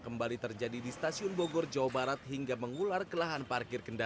sementara pihak kci mengaku adanya lonjakan penumpang di awal pekan ini